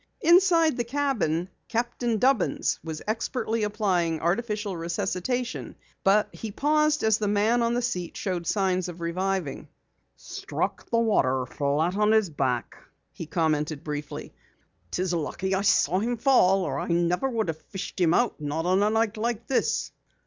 Inside the cabin Captain Dubbins was expertly applying artificial resuscitation, but he paused as the man on the seat showed signs of reviving. "Struck the water flat on his back," he commented briefly. "Lucky I saw him fall or I never could have fished him out. Not on a night like this."